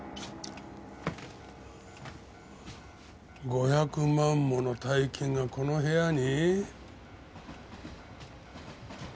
５００万もの大金がこの部屋に？